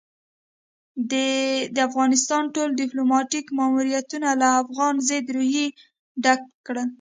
ده د افغانستان ټول ديپلوماتيک ماموريتونه له افغان ضد روحيې ډک کړل.